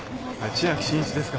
千秋真一ですか？